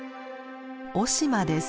雄島です。